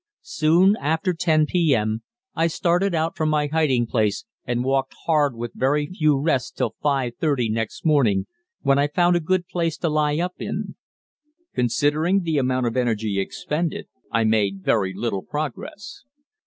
Soon after 10 p.m. I started out from my hiding place and walked hard with very few rests till 5.30 next morning, when I found a good place to lie up in. Considering the amount of energy expended, I made very little progress.